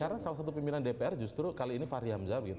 karena salah satu pimpinan dpr justru kali ini fahri hamzah gitu pak